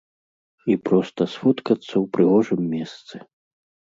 І проста сфоткацца ў прыгожым месцы.